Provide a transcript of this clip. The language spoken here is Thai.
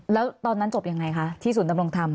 แล้วตอนนั้นจบยังไงคะที่ศูนย์ดำรงธรรม